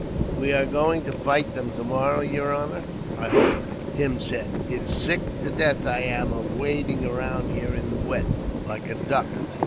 "We are going to fight them tomorrow, yer honor, I hope," Tim said. "It's sick to death I am of wading about here in the wet, like a duck.